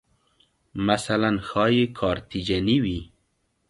مثلاً ښایي کارتیجني وې